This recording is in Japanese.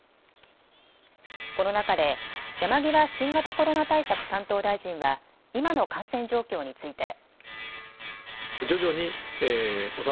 この中で山際新型コロナ対策担当大臣は今の感染状況について。